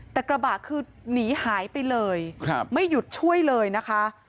แต่กระบะคือหนีหายไปเลยไม่หยุดช่วยเลยนะคะ